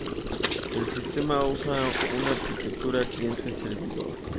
El sistema usa una arquitectura cliente-servidor.